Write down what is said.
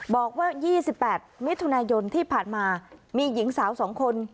บอกว่า๒๘มิถุนายนที่ผ่านมามีหญิงสาว๒คน